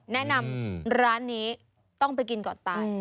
แนะนำร้านนี้ต้องไปกินก่อนตาย